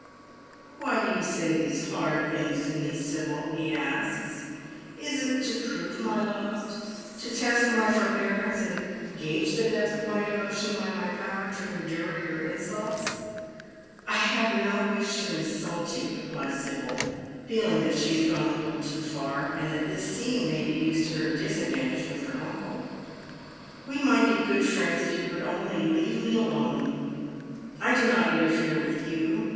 " Why do you say these hard things to me, Sibyl ?" he asks. " Is it to prove my love — to test my forbearance, and gauge the depth of mj' devotion by my power to endure your insults '?"" I have no wish to insult you," replies Sibyl, feeling that she has gone a little too far, and that this scene may be used to her disadvantage with her uncle. " We might be good friends if you would only leave me alone. I do not interfere with you.